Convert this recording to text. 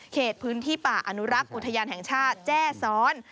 พื้นที่ป่าอนุรักษ์อุทยานแห่งชาติแจ้ซ้อน